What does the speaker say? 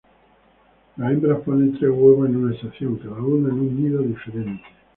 Las hembras ponen tres huevos en una estación, cada uno en un nido diferente.